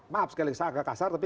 maaf sekali saya agak kasar tapi